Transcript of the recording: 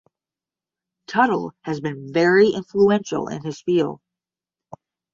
Tuttle has been very influential in his field.